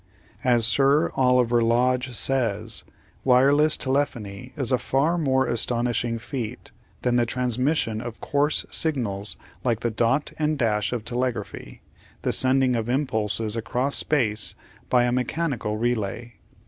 As Sir Oliver Lodge says, wireless telephony is a far more astonishing feat than the transmission of coarse signals like the dot and dash of telegraphy, the sending of impulses across space by a mechanical relay.